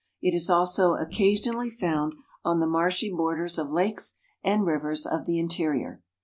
It is also occasionally found on the marshy borders of lakes and rivers of the interior.